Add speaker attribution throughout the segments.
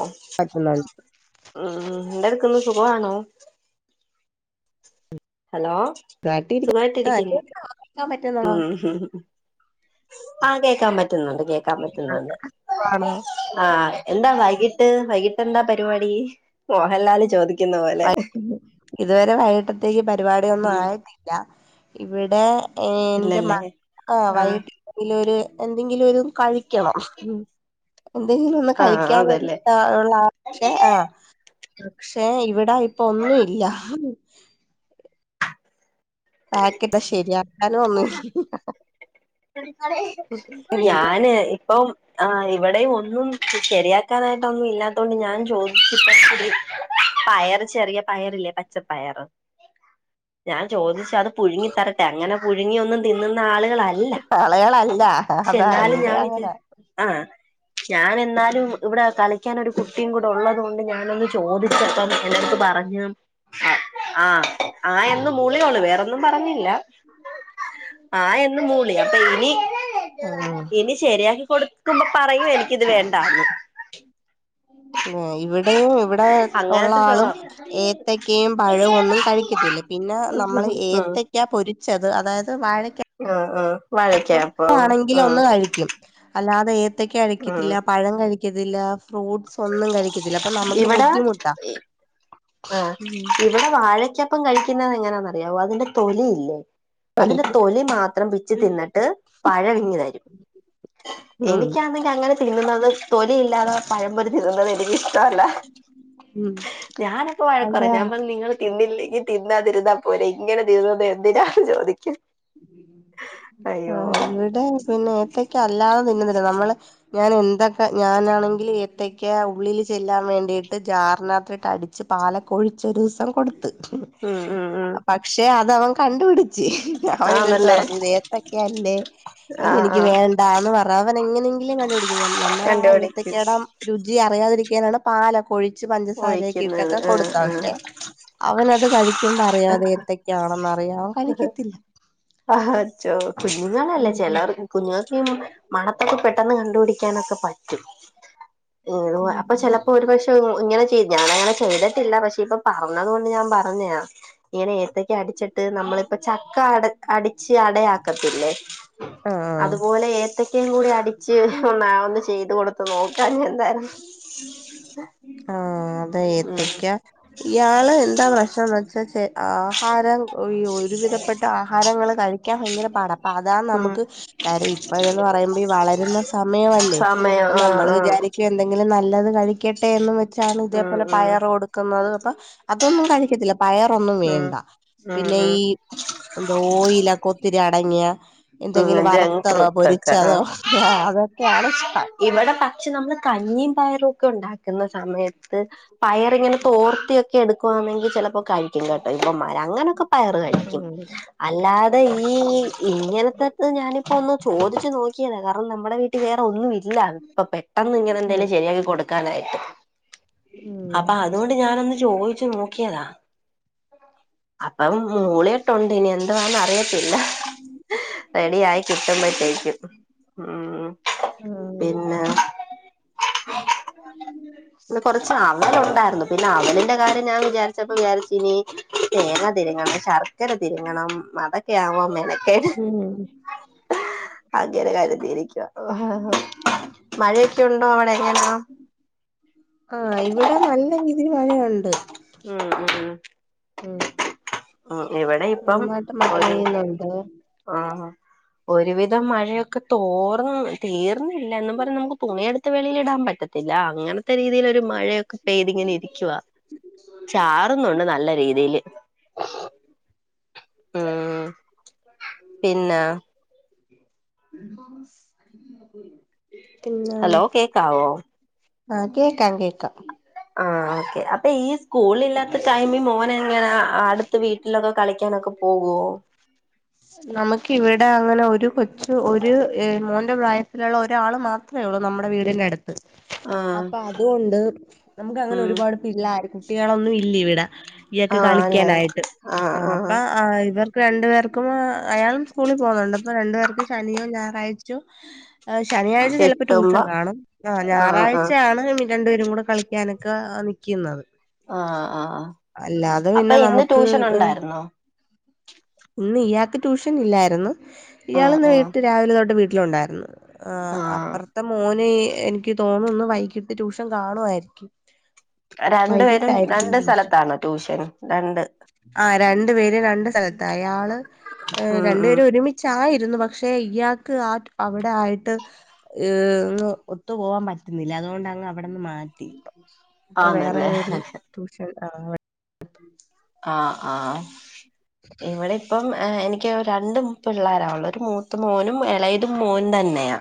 Speaker 1: ഓ
Speaker 2: ക്കുന്നുണ്ട്
Speaker 1: ഉം എന്തടുക്കന്ന് സുഖമാണോ ഹലോ
Speaker 2: കാട്ടിരിക്ക
Speaker 1: സുഖയിട്ട്
Speaker 2: ആഹ്
Speaker 1: ഇരിക്കുന്നു
Speaker 2: കേൾക്കാവോ കേക്കാൻ പറ്റുന്നുണ്ടോ
Speaker 1: ഉം ഹ് ഹ് ആ കേക്കാൻ പറ്റുന്നുണ്ട് കേക്കാൻ പറ്റുന്നുണ്ട്.
Speaker 2: ആണോ
Speaker 1: ആഹ എന്താ വൈകിട്ട് വൈകിട്ട് എന്താ പരിപാടി മോഹൻലാല് ചോദിക്ക
Speaker 2: വൈ ഇതുവരെ വൈകിട്ടത്തേക്ക് പരിപാടിയൊന്നും
Speaker 1: ഉം
Speaker 2: ആയിട്ടില്ല ഇവിടെ ഏ ന്റെ
Speaker 1: ഇല്ലല്ലേ ആ
Speaker 2: [unintelligible] ഒരു എന്തെങ്കിലും ഒരു കഴിക്കണം ഉം എന്തെങ്കിലും ഒന്ന്
Speaker 1: ആ അതല്ലേ
Speaker 2: കഴിക്കാനള്ള പക്ഷെ ആ പക്ഷെ ഇവിടെ ടാ ഇപ്പൊ ഒന്നുംല്ല ഹ് ഹ് [unintelligible] ശെരിയാക്കാനും ഒന്നു [unintelligible]
Speaker 1: ഞാന് ഇപ്പം ആ ഇവിടെയും ഒന്നും ശരിയാ ക്കാനായിട്ടൊന്നും ഇഇല്ലാത്തോണ്ട് ഞൻ ചോദ പയറ് ചെറിയ പയറില്ലേ പച്ചപ്പയറ് ഞാൻ ചോദിച് അത് പുഴുങ്ങി തരട്ടെ അങ്ങനെ പുഴുങ്ങിയൊന്നും തിന്നുന്ന ആളുകളല്ല.
Speaker 2: ആളകളല്ല ഹ ഹ
Speaker 1: പക്ഷെ
Speaker 2: അതാ
Speaker 1: എന്നാലും
Speaker 2: ഇവിടെ
Speaker 1: ഞാൻ വിചാ
Speaker 2: അങ്ങനെ
Speaker 1: ആഹ് ഞാൻ എന്നാലും ഇവിടെ കളിക്കാൻ ഒരു കുട്ടിയും കൂടെ ഉള്ളത് കൊണ്ട് ഞാനൊന്ന് ചോദിച്ചപ്പം [unintelligible] ഞ്ഞം ആഹ് ആ എന്നു മൂളിയെ ഉള്ളൂ വേറൊന്നും പറഞ്ഞില്ല ആ എന്ന് മൂളി അപ്പൊ ഇനി
Speaker 2: ആഹ്
Speaker 1: ഇനി ശരിയാക്കി കൊടുക്കുമ്പോ പറയു എനിക്ക് ത് വേണ്ടാന്ന്.
Speaker 2: ഇവിടെ [unintelligible] ഇവിടെ ഉള്ള
Speaker 1: അങ്ങനത്തെ
Speaker 2: ആളും
Speaker 1: സ്വഭാവം
Speaker 2: ഏത്തക്കെയും പഴവും ഒന്നും കഴിക്കത്തില്ല പിന്നെ നമ്മള്
Speaker 1: ഉം ഉം
Speaker 2: ഏത്തക്കാ പൊരിച്ചത് അതായത് വാഴക്ക
Speaker 1: ആആ
Speaker 2: അപ്പൊ ആണെങ്കില ഒന്ന് കഴിക്കും. അല്ലാതെ ഏത്തക്ക
Speaker 1: ഉം
Speaker 2: കഴിക്കത്തില്ല പഴം കഴിക്കത്തില്ല. ഫ്രൂട്ടസ് ഒന്നും കഴിക്കത്തില്ല അപ്പൊ നമുക്ക്
Speaker 1: ഇവിടെ
Speaker 2: ബുദ്ധിമുട്ടാ
Speaker 1: ആഹ് ഇവിടെ വാഴക്കപ്പം കഴിക്കുന്നത് എങ്ങനാന്നറിയാവോ അതിന്റെ തൊലി ഇല്ലേ അതിന്റെ തൊലി മാത്രം പിച്ചി തിന്നിട്. രും [inaudible]
Speaker 2: ഉം
Speaker 1: എനിക്കാണെങ്കിഅങ്ങനെ തിന്നുന്നത് തൊലി ഇല്ലാതെ പയംപൊരി തിന്നുന്നത് എനികഷ്ടവ ല്ല.
Speaker 2: ഉം
Speaker 1: ഞാനൊക്കെ വഴക്ക് പറ യും
Speaker 2: അതാ
Speaker 1: ഞാൻ പറഞ് നിങ്ങൾ തിന്നില്ലെങ്കി തിന്നാ തിരുന്നാ പോരെ ഇങ്ങനെ തിരന്നുന്നത് എന്തിനാണ് ചോദിക്കും അയ്യോ
Speaker 2: ആഹ് ഇവിടെ പിന്നെ ഏത്തക്ക അല്ലാതെ തിന്നുണ്ട് നമ്മള് ഞാൻ എന്തൊക്കെ ഞാനാണെങ്കിൽ, ത്തേക്ക് ഉള്ളിൽ ചെല്ലാൻ വേണ്ടിയിട്ട് ജാറിനഅതിട്ടു അടിച്ച് പാലകോഓയിച്ചി ഒരു ദിവസം കൊടുത്ത്
Speaker 1: ഉം ഉം ഉം.
Speaker 2: പക്ഷെ അത് അവം കണ്ട് പിടിച്ച് അവൻ ഇന്റെ എട്ത്ത്
Speaker 1: ആന്നല്ലേ
Speaker 2: പറഞ്ഞ് ഇത് ഏത്തക്ക അല്ലെ
Speaker 1: ആഹ്
Speaker 2: ഇതെനിക്ക്
Speaker 1: ആഹ്
Speaker 2: വേണ്ടാ എന്ന് പറാ അവൻ എങ്ങനെങ്കിലും കണ്ടുപിടികും നമ്മള ആ
Speaker 1: കണ്ടുപിടിക്കും
Speaker 2: ഏത്തക്കേട രുചി അറിയാതിരിക്കാനുള്ള പാൽ ഒക്കെ ഒഴി കുറച്ചു പഞ്ചസാരൊക്കെ
Speaker 1: ഒഴിക്കുന്നത്
Speaker 2: ഇട്ടൊക്കെ
Speaker 1: ആഹ്
Speaker 2: കൊടുത്ത പക്ഷെ
Speaker 1: ആഹ്
Speaker 2: അവനത് കഴിക്കുമ്പോ അറിയ അത്എത്താ ക്ക. ആണന്നറിയോ കളിക്കത്തില്ലേ
Speaker 1: ആഹ ചുഓ
Speaker 2: ഉം
Speaker 1: കുഞ്ഞുങ്ങളല്ലേ ചിലർ കുഞ്ഞ്ങ്ങൾക്ക് മണത്തൊക്കെ പെട്ടെന്ന് കണ്ടുപിടിക്കാനൊക്കെ പറ്റും [unintelligible]
Speaker 2: ഉം
Speaker 1: അപ്പം ചെലപ്പോ ഒര് പക്ഷെ ഇങ്ങനെ ചെയ് ഞാൻ അങ്ങനെ ചെയ്തിട്ടില്ല പക്ഷെ ഇപ്പൊ പറഞ്ഞത് കൊണ്ട് ഞാൻ പറഞ്ഞയാ ഇങ്ങന ഏത്തക്ക അടിച്ചിട്ട്. നമ്മളിപ്പ ചക്ക അടിച്ച് അടയാക്കത്തില്ലേ,
Speaker 2: ആഹ്
Speaker 1: അതുപോലെ ഏത്തക ഒക്കേകൂടെ അടിച്ച് ഒന്ന ഒന്ന് ചെയ്ത് കൊടുത്ത് നോക്കാ എന്താലും
Speaker 2: ആഹ് അതെ
Speaker 1: ഉം
Speaker 2: ഏത്തക്ക്യാ ഇയാള് എന്താ പ്രശ്നംന്ന് വെച്ചാ ആഹാരം ഈ ഒരുവിധപ്പെട്ട ആഹാരങ്ങൾ കഴിക്കാൻ ഭയങ്കര പട അതാ
Speaker 1: ഉം
Speaker 2: നമുക്ക് കാര്യം ഇപ്പഴന്ന് പറയുമ്പോ ഈ വളരുന്ന സമയമല്ലേ?
Speaker 1: സമയം
Speaker 2: അപ്പം
Speaker 1: ആഹ്
Speaker 2: നമ്മൾ
Speaker 1: ആഹ്
Speaker 2: വിചാരിക്കും എന്തെ ങ്കിലും നല്ലത് കഴിക്കട്ടെ എന്ന് വെച്ചാണ്
Speaker 1: ഉം
Speaker 2: ഇതേപോലെ
Speaker 1: ഉം
Speaker 2: പയർ കൊടുക്കുന്നത് അപ്പൊ അതൊന്നും കഴിക്കത്തി പയറൊന്നും
Speaker 1: ഉം
Speaker 2: വേണ്ടാ
Speaker 1: ഉം
Speaker 2: പിന്നെ
Speaker 1: ഉം
Speaker 2: ഈ എന്തോ ഓയിലൊക്കെ ഒത്തിരി അടങ്ങിയ എന്തെങ്കിലും
Speaker 1: ഉം ജങ്ക്
Speaker 2: വറുത്തതോ,
Speaker 1: ഫ്രൂട്ടൊക്കെ ആഹ്
Speaker 2: പൊരിച്ചതോ, ആ അതൊക്കെയാണ് ഇഷ്ടം.
Speaker 1: ഇവിടെ പനമ്മള് കഞ്ഞിയും പയറും ഒക്കെ ഉണ്ടാക്കുന്ന സമയത്ത് പയർ ഇങ്ങനെ തോർത്തിയൊക്കെ എടുക്കുവാണെങ്കിൽ ചിലപ്പോ കഴി ഇവന്മാർ അങ്ങനെയൊക്കെ പയർ കഴിക്കും.
Speaker 2: ഉം
Speaker 1: അല്ലാതെ ഈ ഇങ്ങനെ ഞാനിപ്പോ ഒന്ന് ചോദിച്ചു നോക്കിയതാ കാരണം നമ്മുടെ വീട്ടിൽ വേറെ ഒന്നും ഇല്ല. അപ്പൊ പെട്ടെന്ന് ഇങ്ങനെ എന്തേലും
Speaker 2: ഉം
Speaker 1: ശരിയാക്കി കൊടുക്കാനായിട്ട് അപ്പൊ അതുകൊണ്ട് ഞാൻ ഒന്ന് ചോദിച്ചു നോക്കിയതാ. അപ്പം മൂളിയട്ടുണ്ട് ഇനി എന്തുവാന്ന അറിയത്തില്ല. റെഡി ആയി കിട്ടുമ്പോത്തേക്കും ഉം
Speaker 2: ഉം
Speaker 1: പിന്നെ ന്ന് കൊറച്ച് അവ ലുണ്ടായിരുന്നു. പിന്നെ അവലിന്റെ കാര്യം ഞാൻ വിചാരിച്ചപ്പോ വിചാരിച്ച് നി തേങ്ങാ തി രങ്ങണം ശർക്ക ക്കര തിരുങ്ങണം മതൊക്കെ ആവുമ്പോ മെനക്കേട്.
Speaker 2: ഉം
Speaker 1: അങ്ങന കരുതിയിരിക്കുവ ഹ് ഹ് മഴയൊക്കെ ഉണ്ടോ അവിടെ എങ്ങനാ
Speaker 2: ആഹ ഇവിടെ നല്ല രീതിയിൽ മഴയുണ്ട്.
Speaker 1: ഉം ഉം ഉം
Speaker 2: ഉം
Speaker 1: ഉം ഇവിടെ ഇപ്പം
Speaker 2: നന്നായിട്ട് മഴ
Speaker 1: ഒരു
Speaker 2: പെയ്യുന്നുണ്ട്
Speaker 1: ആ ഒരുവിധം മഴയൊക്കെ തോർന്ന് തീർന്നില്ല എന്നും പറഞ്ഞ നമുക്ക് തുണിയെടുത്ത വെളിയിൽ ഇടാൻ പറ്റത്തി [unintelligible] ത്ത രീതിൽ ഒരു മഴയൊക്കെ പെയ്തിങ്ങനെ ഇരിക്കവാ ചാറുന്നുണ്ട് നല്ല രീതിയില്. ഉം പിന്നെ ഹലോ കേക്കാവോ
Speaker 2: [unintelligible] ആഹ് കേൾക്കാം കേക്കാം
Speaker 1: ആ ഓക്കേ അപ്പൊ ഈ സ്കൂളില്ലാത്ത ടൈമിൽ മോനെങ്ങനാ അടുത്ത ട്ത്ത വീട്ടിലൊക്കെ കളിക്കാനൊക്കെ പോകോ?
Speaker 2: നമുക്ക് ഇവിടെ അങ്ങനെ ഒരു കൊച്ചു ഒരു മോന്റെ പ്രായത്തിലുള്ള ഒരാൾ മാ ത്രേ ഉള്ളൂ നമ്മുടെ വീടിന്റെ അടു
Speaker 1: ആഹ്
Speaker 2: അപ്പൊ അതുകൊണ്ട് നമുക്ക് അങ്ങനെ
Speaker 1: ഉം
Speaker 2: ഒരുപാട് പിള്ളാര് കുട്ടികളൊന്നും ഇല്ല ഇവിടെ. ഇയൊക്കെ
Speaker 1: ആഹ് അല്ലേ
Speaker 2: കളിക്കാനായിട്ട് ആ
Speaker 1: ആഹ് ആഹ്
Speaker 2: അപ്പൊ ഇവർ രണ്ടു പേർക്കും അയാളും സ്കൂളിൽ പോകുന്നുണ്ട് അപ്പൊ രണ്ടു പേർക്ക് ശനിയോ ഞായറാഴ്ചോ ശനിയാഴ്ച ചിലപ്പോ ട്യൂഷൻ
Speaker 1: കിട്ടുമ്പോ
Speaker 2: കാണും ആ
Speaker 1: ആഹ് ആഹ്
Speaker 2: ഞായറാഴ്ചയാണ് രണ്ടു പേരും കൂടെ കളിക്കാനൊക്കെ നി ക്കുന്നത്.
Speaker 1: ആഹ് ആഹ്
Speaker 2: അല്ലാതെ
Speaker 1: അപ്പൊ
Speaker 2: പിന്നെ
Speaker 1: ഇന്ന്
Speaker 2: നമുക്ക്
Speaker 1: ട്യൂഷൻ ഉണ്ടായിരുന്നോ
Speaker 2: ഇന്ന് ഇയാൾക്ക് ട്യൂഷൻ ഇല്ലായിരുന്നു
Speaker 1: ആഹ്
Speaker 2: ഇയാൾന്ന്
Speaker 1: ആഹ്
Speaker 2: വീട്ട് രാവിലെ തൊട്ട് വീട്ടിലുണ്ടായിരുന്നു. ആ
Speaker 1: ആഹ്
Speaker 2: അപ്പുറത്തെ മോന്.. എനിക്ക് തോന്നുന്ന്, വൈകിട്ട് ട്യൂഷൻ കാണുവായിരിക്കും.
Speaker 1: രണ്ടു പേരും രണ്ട് സ്ഥലത്താണോ ട്യൂഷൻ? രണ്ട്
Speaker 2: ആ.. രണ്ടു പേരും രണ്ട് സ്ഥലത്താ. യാള്
Speaker 1: ഉം ഉം
Speaker 2: രണ്ടുപേരും ഒരുമിച്ച് ചായിരുന്നു. പക്ഷെ, ഇയാക്ക് ആ അവിടെ ആയിട്ട് ഏ.. ഒത്തു പോവാാൻ പറ്റുന്നില്ല, അതുകൊണ്ടങ്ങ് അവിടെന്ന് മാറ്റി ഇപ്പൊ വേറെ
Speaker 1: ആന്നല്ലേ
Speaker 2: ഒരു ട്യൂഷൻലാ. അ
Speaker 1: ആഹ് ആഹ്. ഇവിടെ ഇപ്പം എനിക്ക് രണ്ട് പിള്ളേരാള്ളേ. ഒരു മൂത്ത മോനും ഇളയതും മോൻ തന്നെയാ..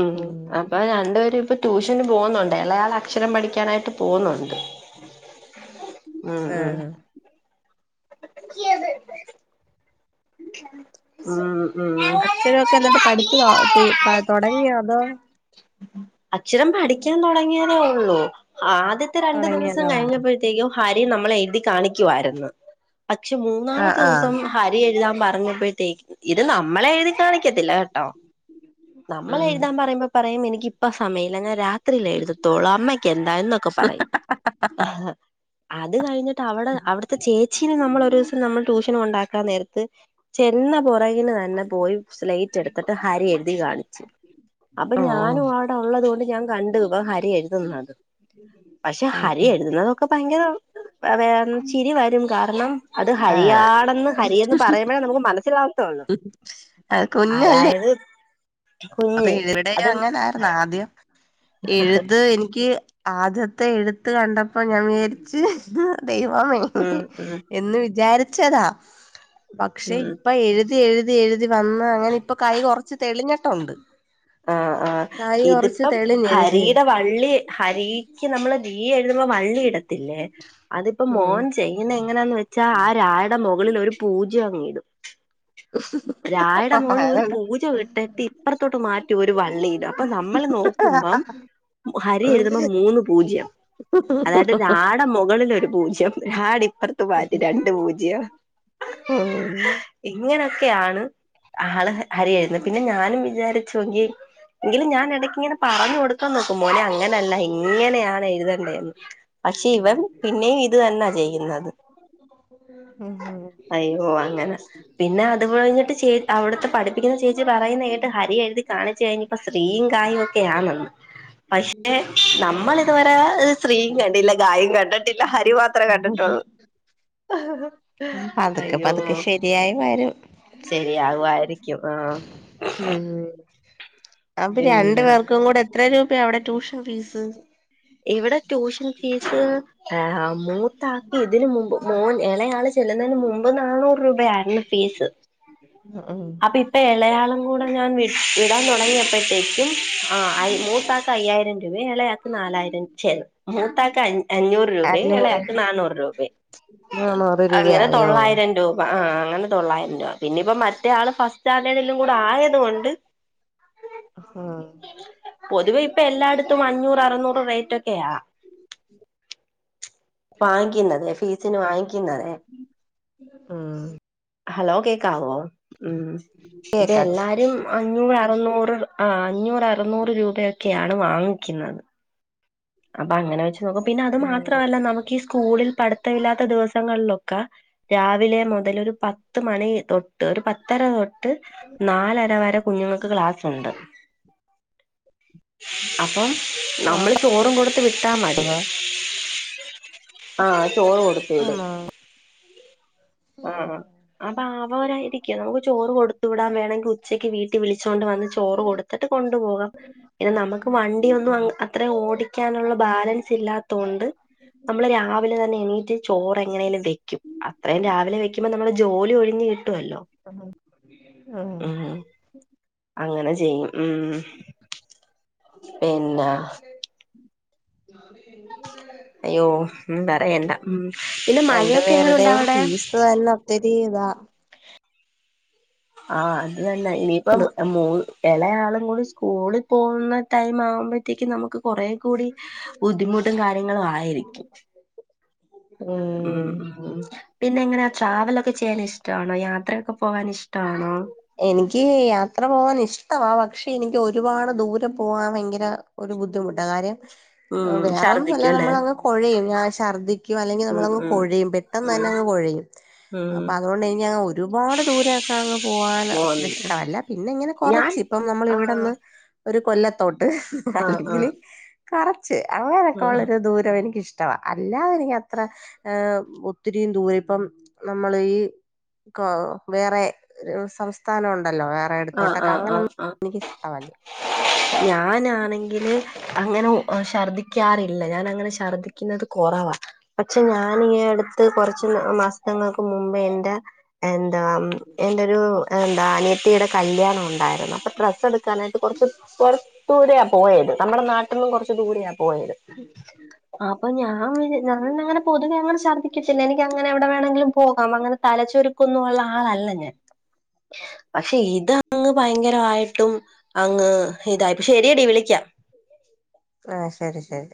Speaker 1: ഉം. അപ്പൊ രണ്ടുപേരും ഇപ്പ ട്യൂഷന് പോന്നുണ്ട്. ഇളയാൾ അക്ഷരം പഠിക്കാനായിട്ട് പോന്നുണ്ട് ഉം, ഉം.
Speaker 2: ആഹ്
Speaker 1: [unintelligible] മ്മ്
Speaker 2: അക്ഷരൊക്കെ എന്നട്ട് പഠിക്കുവോ തുടങ്ങിയൊ? അതോ?
Speaker 1: അക്ഷരം പഠിക്കാൻ തുടങ്ങിയതേ ഉള്ളൂ.. ആദ്യത്തെ രണ്ടു ദിവസം
Speaker 2: തുടങ്ങിയതേ ഉള്ളൂ
Speaker 1: കഴിഞ്ഞപ്പഴേ ത്തേക്കും ഹരി നമ്മളെ എഴുതി കാണിക്കുമായിരുന്നു. പക്ഷെ,
Speaker 2: ആഹ്
Speaker 1: മൂന്നാമത്തെ
Speaker 2: ആഹ്
Speaker 1: ദിവസം ഹരി എഴുതാ പറഞ്ഞപ്പഴത്തേക്ക്, ഇത് നമ്മളെഴുതി കാണിക്കത്തില്ല കേട്ടോ. നമ്മൾ എഴുതാൻ പറയുമ്പോ പറയും എനിക്ക് ഇപ്പൊ സമയല്യ, ഞാൻ രാത്രില്ലേ എഴുതത്തൊളൂ, അമ്മയ്ക്ക് എന്താ? എന്നൊക്കെ പറയും. അത് കഴിഞ്ഞിട്ട് അവിടെ, അവിടുത്തെ ചേച്ചീനെ നമ്മള് ഒരൂസം നമ്മൾ ട്യൂഷന് കൊണ്ടാക്കാൻ നേരത്ത് ചെന്ന പുറകില് തന്നെ പോയി സ്ലൈറ്റ് എടുത്തിട്ട് ഹരി എഴുതി കാണിച്ച്. അപ്പൊ
Speaker 2: ഓഹ്
Speaker 1: ഞാനും ആ ടെ ഒള്ളത് കൊണ്ട് ഞാൻ കണ്ട്, ഇവം ഹരിയെഴുതുന്നത്. പക്ഷെ
Speaker 2: ഉം
Speaker 1: ഹരി
Speaker 2: ഉം
Speaker 1: എഴുതുന്നതൊക്കെ ഭയങ്കരം [unintelligible] ചിരി വരും കാരണം അത് ഹരിയാണെന്ന് ഹരിയെന്ന് പറയുമ്പോഴേ നമുക്ക് മനസ്സിലാകതൊള്ളൂ.
Speaker 2: ആഹ് കുഞ്ഞല്ലേ
Speaker 1: അതായത് [inaudible]
Speaker 2: അപ്പൊ
Speaker 1: കുഞ്ഞ്
Speaker 2: ഇവരുടെ
Speaker 1: അതും
Speaker 2: അങ്ങനെയായിരുന്നു., ആദ്യം എഴുത് എനിക്ക് ആദ്യത്തെ എഴുത്ത് കണ്ടപ്പോ ഞാൻ വിചാരിച്ച്, ദൈവമേ
Speaker 1: ഉം ഉം
Speaker 2: എന്ന് വിചാരിച്ചതാ. പക്ഷെ,
Speaker 1: ഉം
Speaker 2: ഇപ്പൊ എഴുതി, എഴുതി, എഴുതി വന്ന് അവന് ഇപ്പ കൈ കുറച്ച് തെളിഞ്ഞിട്ടുണ്ട്.
Speaker 1: ആഹ്.. ആഹ്.
Speaker 2: കൈ കൊറച്ച്
Speaker 1: ഇതിപ്പം
Speaker 2: തെളിഞ്ഞ് എഴുതി
Speaker 1: ഹരിയുടെ
Speaker 2: എഴുതി
Speaker 1: വള്ളി, ഹരി ക്ക് നമ്മള് ഹീ എഴുതുമ്പോ വള്ളിയിടത്തില്ലേ! അതിപ്പോ
Speaker 2: ഉം
Speaker 1: മോൻ യ്യുന്നെ എങ്ങനാന്ന് വെച്ചാ, ആ രാ യുടെ മുകളിൽ ഒരു പൂജ്യം അങ്ങ് ഇടും. രാ യുടെ മോളിൽ ഒരു പൂജ്യം ഇട്ടിട്ട് ഇപ്പറത്തോട്ട് മാറ്റി വള്ളിയിടും. അപ്പൊ, നമ്മള് നോക്കുമ്പം ഹരി എഴുതുമ്പോ മൂന്ന് പൂജ്യം. അതായത്, രായുടെ മൊകളിൽ ഒരു പൂജ്യം, ഹാടെ ഇപ്പൊർത്ത് മാറ്റി രണ്ട് പൂജ്യം. [inaudible]
Speaker 2: [unintelligible]
Speaker 1: ഇങ്ങനെയൊക്കെയാണ് ആള് ഹരിയെഴുന്നത്. പിന്നെ, ഞാനും വിചാരിച്ചു എങ്കി എങ്കിലും ഞാൻ ഇടയ്ക്ക് ഇങ്ങനെ പറഞ്ഞു കൊടുക്കാൻ നോക്കും, മോനേ.. അങ്ങനെയല്ല ഇങ്ങനെയാണ് എഴുതണ്ടേന്ന്. പക്ഷെ ഇവൻ പിന്നെയും, ഇത് തന്നാ ചെയ്യുന്നത്.
Speaker 2: [unintelligible] ഉം
Speaker 1: അയ്യോ! അങ്ങനെ. പിന്നെ, അത് കഴിഞ്ഞിട്ട് ചെ അവിടുത്തെ പഠിപ്പിക്കുന്ന ചേച്ചി പറയുന്നത്‌ കേട്ട് ഹരി എഴുതി കാണിച്ച് കഴിഞ്ഞപ്പോ ശ്രീയും, കായും ഒക്കെ ആണെന്ന്. പക്ഷെ ന നമ്മൾ ഇതുവരെ ശ്രീയും കണ്ടില്ല, ഗായും കണ്ടിട്ടില്ല, ഹരി മാത്രമേ കണ്ടിട്ടുള്ളൂ. [unintelligible]
Speaker 2: പതുക്കെ, പതുക്കെ ശെരിയായി വരും.
Speaker 1: ശെരി ആവുവായിരിക്കും, ആഹ്
Speaker 2: ഉം. അപ്പൊ രണ്ട്
Speaker 1: പിന്നെ
Speaker 2: പേർക്കും കൂടെ എത്ര രൂപയാ അവിടെ ട്യൂഷൻ ഫീസ്?
Speaker 1: ഇവിടെ ട്യൂഷൻ ഫീസ് ആ മൂത്താക്ക് ഇതിന് മുമ്പ് മോൻ ഇളയാള് ചെല്ലുന്നതിന് മുമ്പ് നാന്നൂറ് രൂപ ആയിരുന്നു ഫീസ്
Speaker 2: ആഹ്
Speaker 1: ഇപ്പ ഇളയയാളും കൂടെ ഞാൻ വി വിടാൻ തുടങ്ങിയപ്പോഴത്തേക്കും ആ മൂത്താക്ക് അയ്യായിരം രൂപ ഇളയാക്ക് നാലായിരം ചേന്ന് മൂത്താക്ക് അഞ്ഞൂറ് രൂപയും
Speaker 2: അഞ്ഞൂറ്
Speaker 1: ഇളയാക്ക് നാന്നൂറ് രൂപയും
Speaker 2: നാന്നൂറ്
Speaker 1: അങ്ങനെ
Speaker 2: രൂപയായോ
Speaker 1: തൊള്ളായിരം രൂപ ആ അങ്ങനെ തൊള്ളായിരം രൂപ പിന്നിപ്പം മ മറ്റ ആള് ഫസ്റ്റ് സ്റ്റാൻഡേർഡിലും കൂടെ ആയത് കൊണ്ട്
Speaker 2: ആഹ്
Speaker 1: പൊതുവെ ഇപ്പൊ എല്ലായിടത്തും അഞ്ഞൂറ് അറുന്നൂറ് റേറ്റ് ഒക്കെയാ വാങ്ങിക്കുന്നതെ ഫീസിന് വാങ്ങിക്കുന്നതെ
Speaker 2: ആഹ്
Speaker 1: ഹലോ കേക്ക ആവോ ഉം ഇത്
Speaker 2: കേക്കാക്ക്
Speaker 1: എല്ലാരും അഞ്ഞൂറ് അറുന്നൂറ് ആ അഞ്ഞൂറ് അറുന്നൂറ് രൂപയൊക്കെയാണ് വാങ്ങിക്കുന്നത് അപ്പൊ അങ്ങനെ വെച്ച് നോക്കും പിന്നെ അത്
Speaker 2: ഉം
Speaker 1: മാത്രല്ല നമുക്ക് ഈ സ്കൂളിൽ പഠത്തമില്ലാത്ത ദിവസങ്ങളിലൊക്കെ രാവിലെ മുതൽ ഒരു പത്ത് മണി തൊട്ട് ഒരു പത്തര തൊട്ട് ട്ട് നാലര വരെ കുഞ്ഞുങ്ങൾക്ക് ക്ലാസുണ്ട് അപ്പം നമ്മൾ ചോറും കൊടുത്ത് വിട്ടാ മതി ആഹ് ചോറ് കൊടുത്ത് വിടും
Speaker 2: ആണോ
Speaker 1: ആഹ
Speaker 2: ഉം
Speaker 1: അപ്പൊ ആരായിരിക്കും നമുക്ക് ചോറ് കൊടുത്തു വിടാ വേണമെങ്കിൽ ഉച്ചയ്ക്ക് വീട്ടിൽ വിളിച്ചോണ്ട് വന്ന് ചോറ് കൊടുത്തിട്ട് കൊണ്ടുപോകാം പിന്നെ നമുക്ക് വണ്ടി ഒന്നും അത്രയും ഓ ടിക്കാനുള്ള ബാലൻസ് ഇല്ലാത്തൊണ്ട് നമ്മള് രാവിലെ തന്നെ എണീ ചോറ് എങ്ങനെേലും വെക്കും അത്രയും രാവിലെ വെക്കുമ്പോ നമ്മുടെ ജോലി ഒഴിഞ്ഞ് കിട്ടുമല്ലോ
Speaker 2: ആഹ് ആഹ്
Speaker 1: അങ്ങനെ ചെയ്യും ഉ പിന്നെ
Speaker 2: ഞ എ [unintelligible]
Speaker 1: അയ്യോ ഉ പറയണ്ട ഉ പിന്നെ മഴയൊക്കെ എങ്ങനെയുണ്ട് അവിടെ
Speaker 2: അതെന്നെ ഒത്തിരി താ
Speaker 1: ആഹ അത് തന്നെ ഇനിയിപ്പം മൂ ഇള ആളും കൂടി സ്കൂളിൽ പോകുന്ന ടൈം ആകുമ്പോഴത്തേക്കും നമുക്ക് കുറേകൂടി ബുദ്ധിമുട്ടും കാര്യങ്ങളും ആയിരിക്കും ഉം ഉം പിന്നെ എങ്ങനെയാ ട്രാവലൊക്കെ ചെയ്യാൻ ഇഷ്ടമാണോ യാത്രയൊക്കെ പോകൻ ഇഷ്ടമാണോ
Speaker 2: എനിക്ക് യാത്ര പോവാൻ ഇഷ്ടവാ പക്ഷെ എനിക്ക് ഒരുപാട് ദൂരം പോവാൻ ഭയങ്കര ഒരു ബുദ്ധിമുട്ടാണ് കാര്യം
Speaker 1: ഉം
Speaker 2: വേറെന്നുമല്ല
Speaker 1: ഛർദിക്കും അല്ലേ
Speaker 2: നമ്മളങ്ങ് കുഴയും ഞാൻ ഛർദിക്കും അല്ലെങ്കിൽ
Speaker 1: ഉം
Speaker 2: നമ്മളങ്
Speaker 1: ഉം
Speaker 2: കുഴയും പറ്റും പെട്ടെന്ന് തന്നെ
Speaker 1: ഉം
Speaker 2: അങ് കുഴയും
Speaker 1: ഉം
Speaker 2: അപ്പൊ അതുകൊണ്ട് കഴിഞ്ഞ അങ് ഒരുപാട് ദൂരൊക്കെ പോകൻ
Speaker 1: മോൻ
Speaker 2: അത്ര ഇഷ്ടമല്ല പിന്നെ ഇങ്ങനെ
Speaker 1: ഞാൻ
Speaker 2: കൊറച്ച് ഇപ്പം നമ്മൾ
Speaker 1: ആഹ്
Speaker 2: ഇവിടെന്ന് ഒരു കൊല്ലത്തോട്ട്
Speaker 1: ആഹ്
Speaker 2: അല്ലെങ്കിൽ
Speaker 1: ആഹ്
Speaker 2: കുറച്ച് അങ്ങനെയൊക്കെ
Speaker 1: ഉം
Speaker 2: ഉള്ളരു ദൂരം എനിക്കിഷ്ട ഇ്ട അല്ലാതെ എനിക്ക് അത്ര ഒത്തിരിയും ദൂരം ഇപ്പം നമ്മൾ ഈ വേറെ സംസ്ഥാനം ഉണ്ടല്ലോ വേറെ
Speaker 1: ആഹ്
Speaker 2: എടുത്തോട്ടൊക്കെ
Speaker 1: ആഹ് ആഹ്
Speaker 2: അങ്ങനെൊന്നും
Speaker 1: ആഹ്
Speaker 2: എനിക്കിഷ്ടമല്ല
Speaker 1: ഞാനാണെങ്കില് അങ്ങനെ ഛർദ്ദിക്കാറില്ല ഞാന അങ്ങനെ ഛർദ്ദിക്കുന്നത് കുറവാ പക്ഷെ ഞാൻ ഈ അടുത്ത് കുറച്ച് മാസങ്ങൾക്ക് മുമ്പ് എന്റെ എന്താ എന്റെരു എന്താ അനിയത്തിയുടെ കല്യാണം ഉണ്ടായിരുന്നു അപ്പൊ ഡ്രസ്സ് എടുക്കാനായിട്ട് കുറ കൊറ ദൂരെയ പോയത് നമ്മുടെ നാട്ടിൽന്നും കൊറച്ച് ദൂരെയ പോയത് അപ്പൊ ഞാൻ ഞാൻ അങ്ങനെ പൊതുവെ അങ്ങനെ ശദ്ദിക്കത്തിില്ല എനിക്ക് അങ്ങനെ എവിടെ വേണമെങ്കിലും പോകാം അങ്ങനെ തലച്ചൊരു ഒന്നള്ള ആളല്ല ഞാൻ പക്ഷെ ഇത് അങ്ങ് ഭയങ്കരമായിട്ടും അങ്ങ് ഇതായിപ്പ ശരിയടി വിളിക്കാം
Speaker 2: ആഹ ശരി ശരി